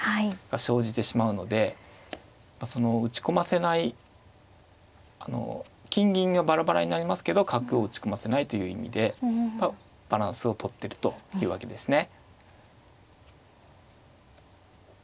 生じてしまうので打ち込ませないあの金銀がバラバラになりますけど角を打ち込ませないという意味でバランスをとってるというわけですね。